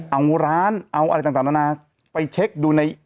เอาร้านเอาอะไรต่างนานาไปเช็คดูใน